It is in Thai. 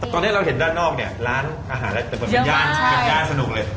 ตอนนี้เราเห็นด้านนอกเนี่ยร้านอาหารแล้วแต่เปิดเป็นย่านสนุกเลย